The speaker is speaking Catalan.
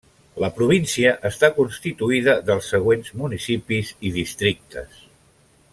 La Província està constituïda dels següents municipis i districtes.